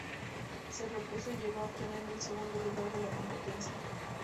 Se repuso y llegó a obtener el segundo lugar de la competencia.